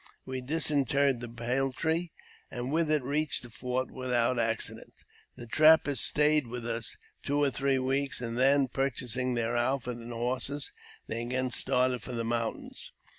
We disinterred the peltry, and with it reached the fort without accident. The trappers stayed with us two or three weeks, and then, purchasing their outfit and horses, they again started for the mountains.